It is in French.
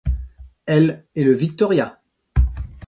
Elle et le Victoria !